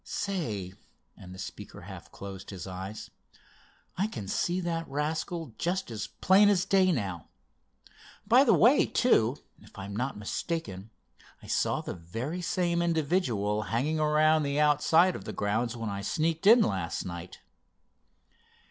Say," and the speaker half closed his eyes, "I can see that rascal just as plain as day now. By the way, too, if I'm not mistaken I saw the very same individual hanging around the outside of the grounds when I sneaked in last night."